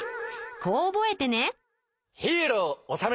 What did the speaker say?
こう覚えてね。